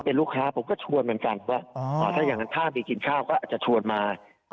เป็นลูกค้าผมก็ชวนเหมือนกันว่าถ้าอย่างนั้นถ้ามีกินข้าวก็อาจจะชวนมา